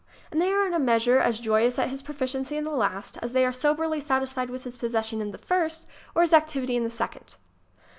And they are in a measure as joyous at his proficiency in the last as they are soberly satisfied with his possession of the first or his activity in the second.